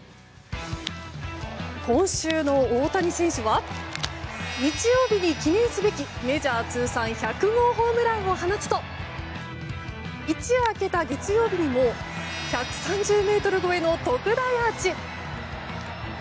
今週の大谷選手は日曜日に記念すべきメジャー通算１００号ホームランを放つと一夜明けた月曜日にも１３０ｍ超えの特大アーチ。